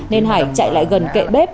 nên hải chạy lại gần kệ bếp